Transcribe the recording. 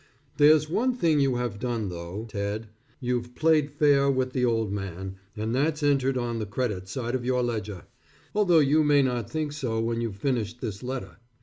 There's one thing you have done though Ted, you've played fair with the old man, and that's entered on the credit side of your ledger, although you may not think so when you've finished this letter.